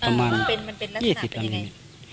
เป็นลักษณะเป็นยังไง